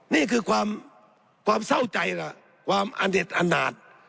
นี่คือความความเศร้าใจละความอเด็ดอันหนาด